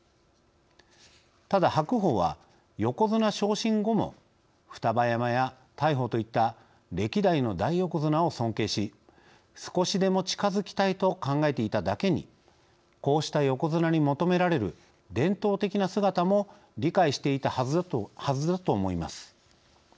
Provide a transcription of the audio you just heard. ただ白鵬は横綱昇進後も双葉山や大鵬といった歴代の大横綱を尊敬し少しでも近づきたいと考えていただけにこうした横綱に求められる伝統的な姿も理解していたはずだと思います。